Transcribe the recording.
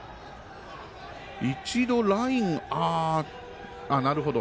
一度、ライン、なるほど。